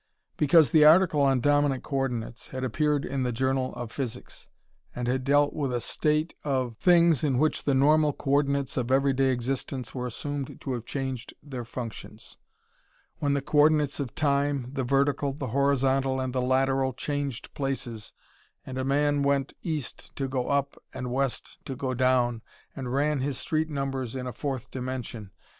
Because the article on dominant coordinates had appeared in the Journal of Physics and had dealt with a state of things in which the normal coordinates of everyday existence were assumed to have changed their functions: when the coordinates of time, the vertical, the horizontal and the lateral changed places and a man went east to go up and west to go "down" and ran his street numbers in a fourth dimension.